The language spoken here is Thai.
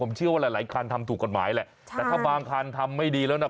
เชื่อว่าหลายหลายคันทำถูกกฎหมายแหละแต่ถ้าบางคันทำไม่ดีแล้วนะ